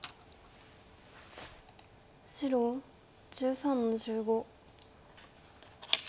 白１３の十五。